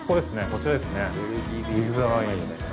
こちらですね。